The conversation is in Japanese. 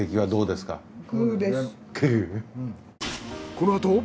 このあと。